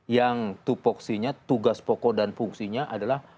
yang tupoksinya tugas pokok dan fungsinya adalah